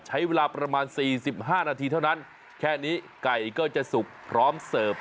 ใช้เวลาประมาณ๔๕นาทีเท่านั้นแค่นี้ไก่ก็จะสุกพร้อมเสิร์ฟ